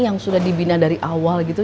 yang sudah dibina dari awal gitu